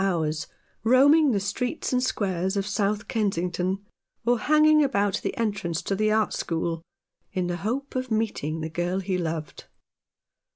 hours roaming the streets and squares of South Kensington, or hanging about the entrance to the art school, in the hope of meeting the girl he loved.